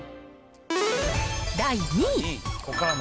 第２位。